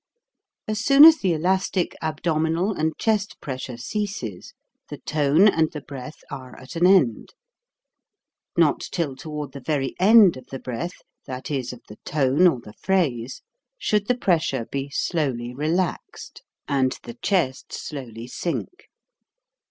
As soon as the elastic abdominal and chest press ure ceases, the tone and the breath are at an end. Not till toward the very end of the breath, that is, of the tone or the phrase, should the pressure be slowly relaxed and the chest slowly sink.